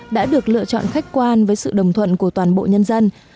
đã được lựa chọn khách quan với sự đồng thuận của toàn bộ nhân dân